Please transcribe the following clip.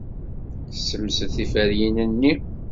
Tessemsed tiferyin-nni.